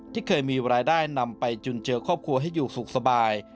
ที่เคยมีรายได้นำไปจุนเจอครอบครัวให้อยู่สุขสบาย